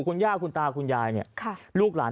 คุณย่าคุณตาคุณยายเนี่ยลูกหลาน